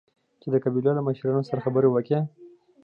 چې د قبيلو له مشرانو سره خبرې وکړي.